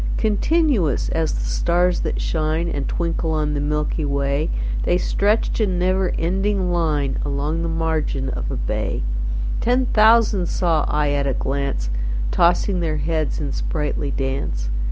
Continuous as the stars that shine And twinkle on the milky way, They stretched in never ending line Along the margin of a bay: 10 Ten thousand saw I at a glance, Tossing their heads in sprightly dance.